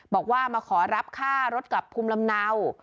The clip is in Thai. บอกว่ามาขอรับค่ารถกลับภูมิลำเนา